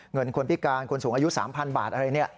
เงินคนพิการคนสูงอายุ๓๐๐๐บาทอะไรนี่